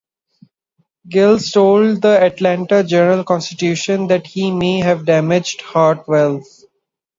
Giles told the "Atlanta Journal-Constitution" that he may have a damaged heart valve.